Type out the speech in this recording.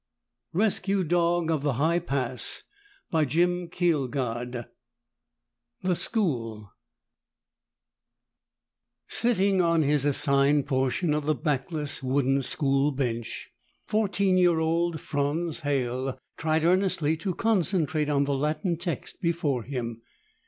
_ RESCUE DOG OF THE HIGH PASS 1: THE SCHOOL Sitting on his assigned portion of the backless wooden school bench, fourteen year old Franz Halle tried earnestly to concentrate on the Latin text before him.